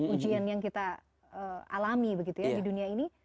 ujian yang kita alami begitu ya di dunia ini